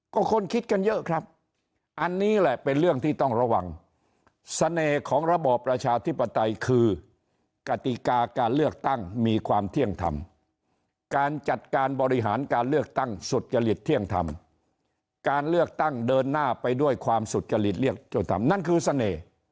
ก็คนคิดกันเยอะครับอันนี้แหละเป็นเรื่องที่ต้องระวังเสน่ห์ของระบอบประชาธิปไตยคือกติกาการเลือกตั้งมีความเที่ยงธรรมการจัดการบริหารการเลือกตั้งสุจริตเที่ยงธรรมการเลือกตั้งเดินหน้าไปด้วยความสุจริตเรียกเจ้าธรรมนั่นคือเสน่ห์